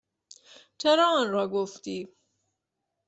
چرا آنرا گفتی؟